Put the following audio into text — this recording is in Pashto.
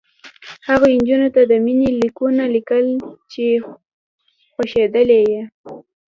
هغو نجونو ته د مینې لیکونه لیکل چې خوښېدلې یې